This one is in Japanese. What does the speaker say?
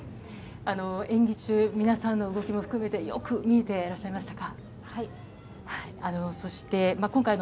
演技中、皆さんの動きも含めてよく見えてらっしゃいましたか？